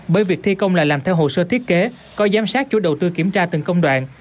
bởi việc thi công là làm theo hồ sơ thiết kế có giám sát chủ đầu tư kiểm tra từng công đoạn